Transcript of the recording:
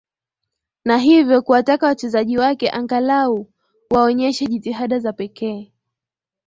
na hivyo kuwataka wachezaji wake angalao waonyeshe jitihada za pekee